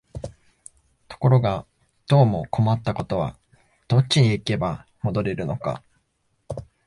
ところがどうも困ったことは、どっちへ行けば戻れるのか、